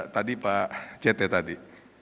tadi pak cethe tadi